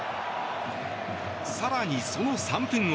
更に、その３分後。